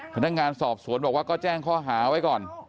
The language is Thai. พนักงานสอบสวนบอกว่าก็แจ้งข้อหาไว้ก่อน